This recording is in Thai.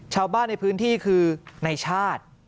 ชาวบ้านในพื้นที่คือในชาติ